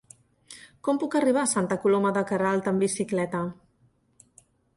Com puc arribar a Santa Coloma de Queralt amb bicicleta?